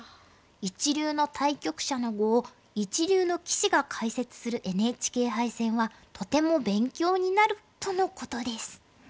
「一流の対局者の碁を一流の棋士が解説するＮＨＫ杯戦はとても勉強になる」とのことです。